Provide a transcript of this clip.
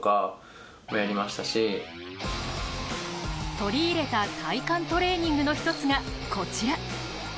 取り入れた体幹トレーニングの一つがこちら。